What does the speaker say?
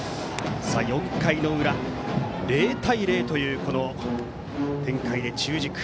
４回の裏０対０という展開で中軸。